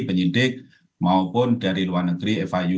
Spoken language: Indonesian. penyidik maupun dari luar negeri fiu